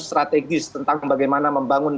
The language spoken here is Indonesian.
strategis tentang bagaimana membangun